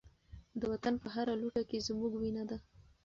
د وطن په هره لوټه کې زموږ وینه ده.